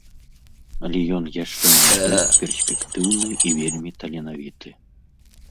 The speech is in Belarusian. Але ён яшчэ малады, перспектыўны і вельмі таленавіты.